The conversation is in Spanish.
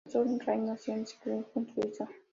El profesor Meier nació en Schaffhausen, Suiza.